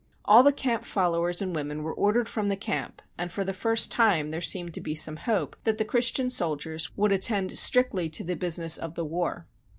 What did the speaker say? All the camp followers and women were ordered from the camp, and for the first time there seemed to be some hope that the Christian soldiers would attend strictly to the business of the war.